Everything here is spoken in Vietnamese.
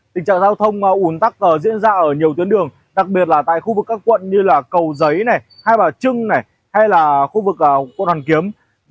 tình trạng giao thông ủn tắc diễn ra ở nhiều tuyến đường đặc biệt là tại khu vực các quận như là cầu giấy trưng quận hoàn kiếm